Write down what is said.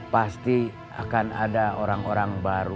pasti akan ada orang orang baru